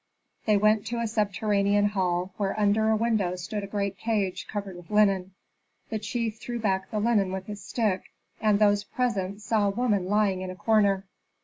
They went to a subterranean hall, where under a window stood a great cage covered with linen. The chief threw back the linen with his stick, and those present saw a woman lying in a corner.